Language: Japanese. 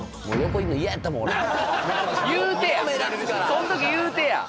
そん時言うてや！